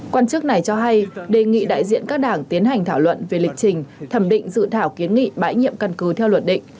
quan chức này cho hay đề nghị đại diện các đảng tiến hành thảo luận về lịch trình thẩm định dự thảo kiến nghị bãi nhiệm căn cứ theo luật định